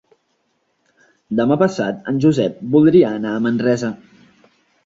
Demà passat en Josep voldria anar a Manresa.